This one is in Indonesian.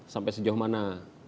sampai sejauh mana